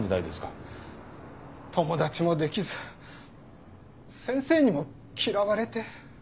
友達もできず先生にも嫌われて。